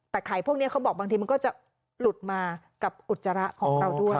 แต่ไข่พวกนี้เขาบอกบางทีมันก็จะหลุดมากับอุจจาระของเราด้วย